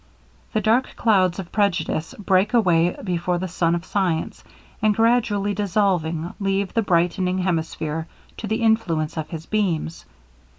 The dark clouds of prejudice break away before the sun of science, and gradually dissolving, leave the brightening hemisphere to the influence of his beams.